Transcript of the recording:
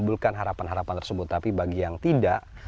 menimbulkan harapan harapan tersebut tapi bagi yang tidak